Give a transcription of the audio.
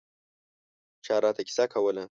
چا راته کیسه کوله.